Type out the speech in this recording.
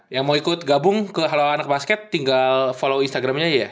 yang mau ikut gabung ke halo anak basket tinggal follow instagramnya aja ya